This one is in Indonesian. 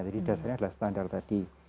jadi dasarnya ada standar tadi